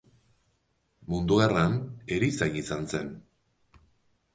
Mundu Gerran, erizain izan zen.